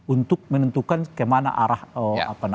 untuk menentukan kemana arah apa namanya